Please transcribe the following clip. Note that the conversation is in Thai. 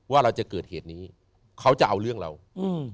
ว่าเราจะเกิดเหตุนี้เขาจะเอาเรื่องเราอืม